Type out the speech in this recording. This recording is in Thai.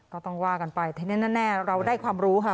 ก็ต้องว่ากันไปทีนี้แน่เราได้ความรู้ค่ะ